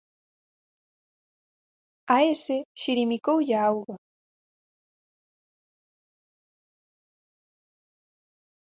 A ese xirimicoulle a auga.